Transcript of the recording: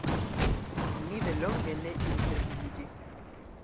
Ni delonge ne intervidiĝis.